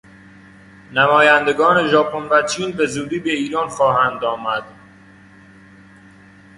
نمایندگان ژاپن و چین به زودی به ایران خواهند آمد.